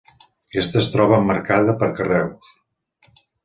Aquesta es troba emmarcada per carreus.